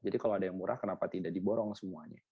jadi kalau ada yang murah kenapa tidak diborong semuanya